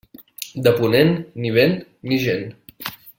De ponent, ni vent ni gent.